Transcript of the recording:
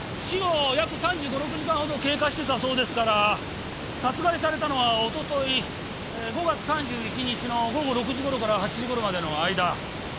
死後約３５３６時間ほど経過してたそうですから殺害されたのはおととい５月３１日の午後６時頃から８時頃までの間。